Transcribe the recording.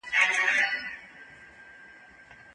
باد ورو شو او غږ کم شو.